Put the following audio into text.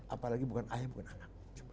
apalagi bukan ayah bukan anak